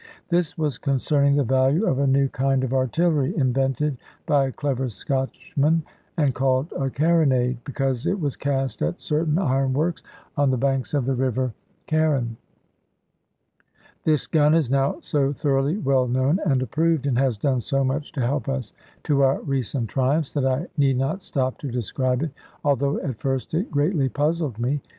This was concerning the value of a new kind of artillery invented by a clever Scotchman, and called a "Carronade," because it was cast at certain iron works on the banks of the river Carron. This gun is now so thoroughly well known and approved, and has done so much to help us to our recent triumphs, that I need not stop to describe it, although at first it greatly puzzled me.